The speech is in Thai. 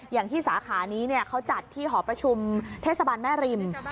อย่างที่สาขานี้เขาจัดที่หอประชุมเทศบาลแม่ริม